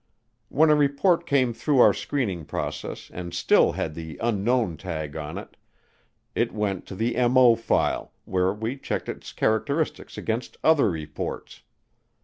When a report came through our screening process and still had the "Unknown" tag on it, it went to the MO file, where we checked its characteristics against other reports.